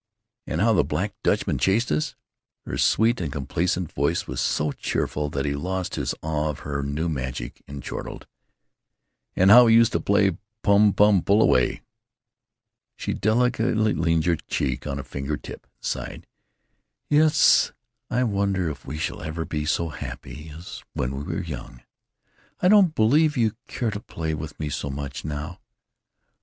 "And how the Black Dutchman chassssed us!" Her sweet and complacent voice was so cheerful that he lost his awe of her new magic and chortled: "And how we used to play pum pum pull away." She delicately leaned her cheek on a finger tip and sighed: "Yes, I wonder if we shall ever be so happy as when we were young.... I don't believe you care to play with me so much now."